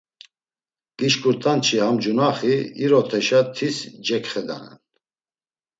Gişǩurt̆an çi ham cunaxi iroteşa tis cekxedanen.